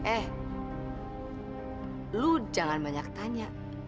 eh lu jangan banyak tanya